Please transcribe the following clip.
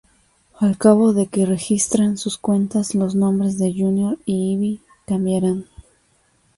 Al cabo de que registran sus cuentas, los nombres de Junior y Ivy cambiarán.